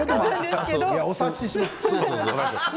お察しします。